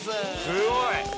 ◆すごい！